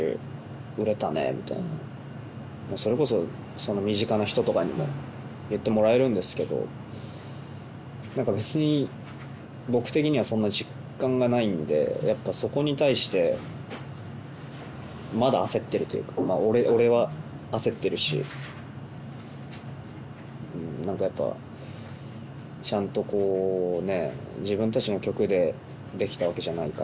売れたねぇみたいなそれこそ身近な人とかにも言ってもらえるんですけど何か別に僕的にはそんな実感がないんでやっぱそこに対してまだ焦ってるというか俺は焦ってるし何かやっぱちゃんとこうね